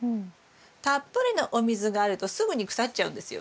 たっぷりのお水があるとすぐに腐っちゃうんですよ。